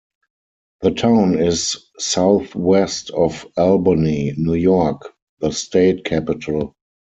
The town is southwest of Albany, New York, the state capital.